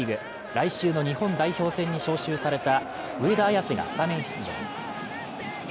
来週の日本代表戦に招集された上田綺世がスタメン出場。